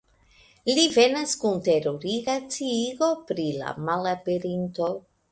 Li venas kun teruriga sciigo pri la malaperinto.